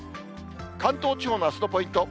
関東地方のあすのポイント。